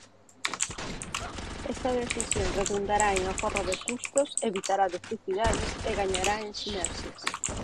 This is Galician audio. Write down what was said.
Esta decisión redundará en aforro de custos, evitará duplicidades e gañará en sinerxías.